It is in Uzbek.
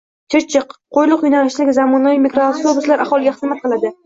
Chirchiq – Qo‘yliq yo‘nalishida zamonaviy mikroavtobuslar aholiga xizmat qiladi